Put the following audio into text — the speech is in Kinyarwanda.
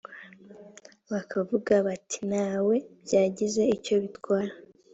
bakavuga bati nta we byagize icyo bitwara